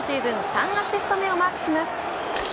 ３アシスト目をマークします。